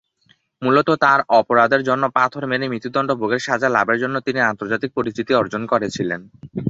মূলত তার অপরাধের জন্য পাথর মেরে মৃত্যুদণ্ড ভোগের সাজা লাভের জন্য তিনি আন্তর্জাতিক পরিচিতি অর্জন করেছিলেন।